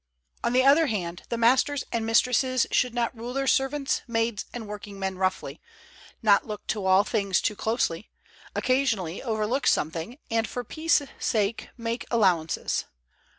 On the other hand, the masters and mistresses should not rule their servants, maids and workingmen roughly, not look to all things too closely, occasionally overlook something, and for peace' sake make allowances.